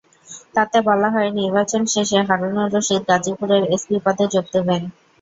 তাতে বলা হয়, নির্বাচন শেষে হারুনুর রশীদ গাজীপুরের এসপি পদে যোগ দেবেন।